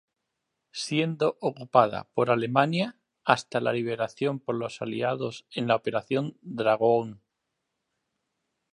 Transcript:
Siendo ocupada por Alemania hasta la liberación por los aliados en la Operación Dragoon.